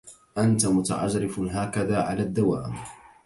انت متعجرف هكذا على الدوام؟